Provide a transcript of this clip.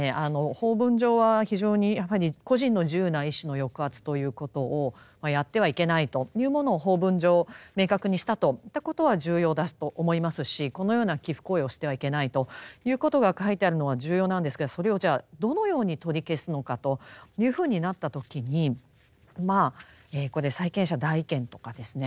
法文上は非常にやはり個人の自由な意思の抑圧ということをやってはいけないというものを法文上明確にしたといったことは重要だと思いますしこのような寄附行為をしてはいけないということが書いてあるのは重要なんですけどそれをじゃあどのように取り消すのかというふうになった時にこれ債権者代位権とかですね